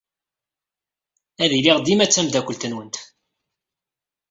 Ad iliɣ dima d tameddakelt-nwent.